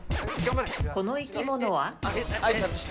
この生き物は？